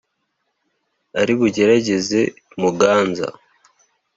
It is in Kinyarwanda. ari bugerageze i muganza.